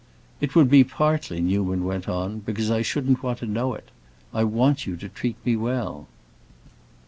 "It would be partly," Newman went on, "because I shouldn't want to know it. I want you to treat me well."